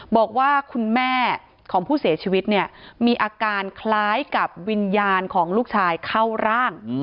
บอกว่าคุณแม่ของผู้เสียชีวิตเนี่ยมีอาการคล้ายกับวิญญาณของลูกชายเข้าร่าง